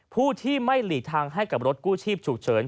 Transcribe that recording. ผู้ที่ไม่หลีกทางให้กับรถกู้ชีพฉุกเฉิน